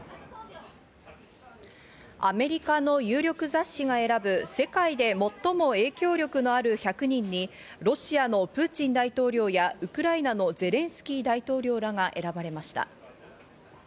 アメリカの有力雑誌が選ぶ世界で最も影響力のある１００人にロシアのプーチン大統領や、ウクライナのゼレンスキー大統領らが選ばれました。